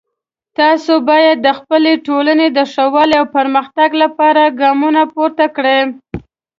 تاسو باید د خپلې ټولنې د ښه والی او پرمختګ لپاره ګامونه پورته کړئ